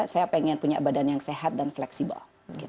saya pengen punya badan yang sehat dan fleksibel